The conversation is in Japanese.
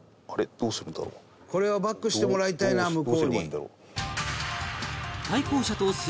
「これはバックしてもらいたいな向こうに」